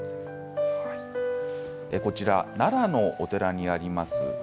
こちら奈良のお寺にあります